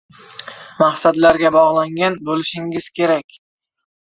maqsadlarga bogʻlangan boʻlishingiz kerak.